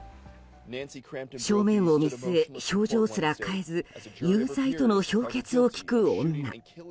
正面を見据え、表情すら変えず有罪との評決を聞く女。